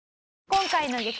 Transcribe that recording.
今回の激